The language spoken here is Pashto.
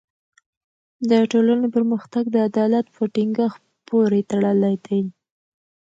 د ټولني پرمختګ د عدالت په ټینګښت پوری تړلی دی.